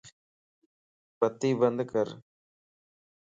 بتي بند ڪر